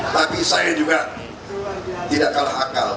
tapi saya juga tidak kalah akal